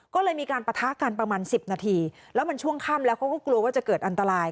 ก็เลยมีการปะทะกันประมาณ๑๐นาทีแล้วมันช่วงค่ำแล้วเขาก็กลัวว่าจะเกิดอันตราย